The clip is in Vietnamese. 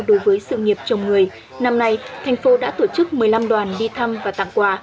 đối với sự nghiệp chồng người năm nay thành phố đã tổ chức một mươi năm đoàn đi thăm và tặng quà